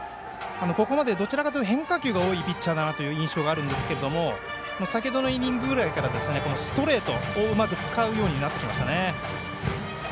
ここまでどちらかというと変化球が多いピッチャーという印象があるんですけども先ほどのイニングぐらいからストレートをうまく使うようになってきました。